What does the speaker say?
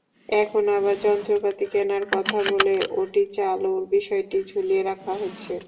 এখন আবার যন্ত্রপাতি কেনার কথা বলে ওটি চালুর বিষয়টি ঝুলিয়ে রাখা হচ্ছে।